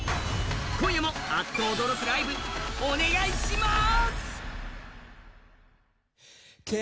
今夜もあっと驚くライブお願いします！